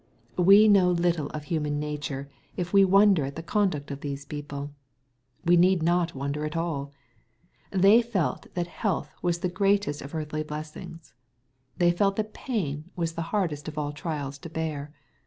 We know little of human nature, if we wonder at the conduct of these people. We need not wonder at all. They felt that health was the greatest of earthly blessings. They felt that pain was the hardest of all trials to bear.